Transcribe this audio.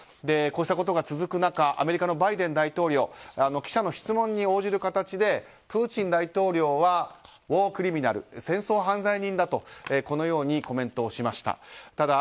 こうしたことが続く中アメリカのバイデン大統領記者の質問に応じる形でプーチン大統領は戦争犯罪人だとコメントしました。